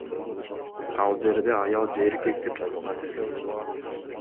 Ал жерде аял же эркек деп жазылган эмес.